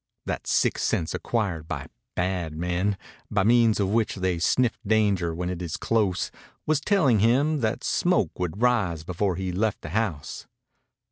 That sixth sense acquired by "bad men," by means of which they sniff danger when it is close, was telling him that smoke would rise before he left the house.